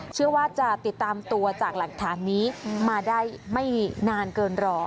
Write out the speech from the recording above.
เชื่อว่าจะติดตามตัวจากหลักฐานนี้มาได้ไม่นานเกินรอ